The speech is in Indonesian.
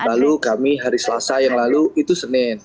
lalu kami hari selasa yang lalu itu senin